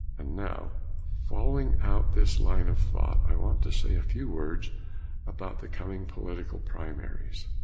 And now following out this line of thought, I want to say a few words about the coming political primaries.